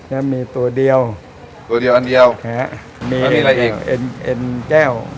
แล้วมีตัวเดียวตัวเดียวอันเดียวมีมีอะไรอีกเอ็นเอ็นแก้ว